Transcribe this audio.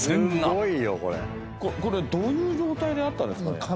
ここれどういう状態であったんですかね？